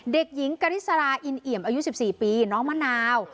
เด็กหญิงกริสราอินเอี่ยมอายุ๑๔ปีน้องมะนาว